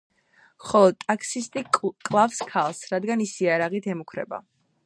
ხოლო ტაქსისტი კლავს ქალს, რადგან ის იარაღით ემუქრება.